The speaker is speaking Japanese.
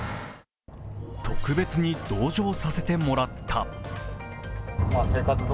特別に同乗させてもらった。